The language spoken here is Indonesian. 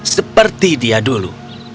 seperti dia dulu